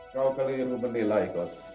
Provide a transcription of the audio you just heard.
kau keliru menilai gos